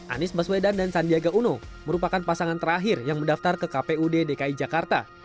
anies baswedan dan sandiaga uno merupakan pasangan terakhir yang mendaftar ke kpud dki jakarta